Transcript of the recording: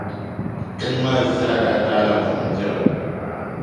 tiŋ’ maa zaa taai la buɣim diri.